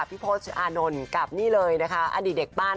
พี่โพชอานนนท์กับอดีตเด็กปั้น